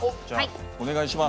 お願いします。